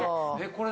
これ。